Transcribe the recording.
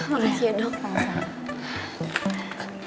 terima kasih ya dokter